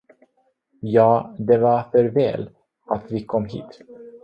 Ja, det var för väl, att vi kom hit.